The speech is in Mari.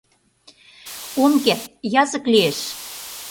— Ом керт, язык лиеш...